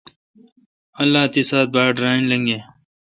اللہ تی ساعت باٹ رل لنگہ۔